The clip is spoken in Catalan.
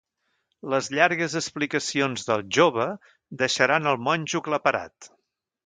Les llargues explicacions del jove deixaran el monjo aclaparat.